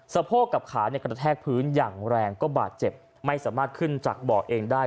โพกกับขากระแทกพื้นอย่างแรงก็บาดเจ็บไม่สามารถขึ้นจากบ่อเองได้